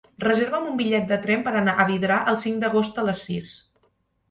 Reserva'm un bitllet de tren per anar a Vidrà el cinc d'agost a les sis.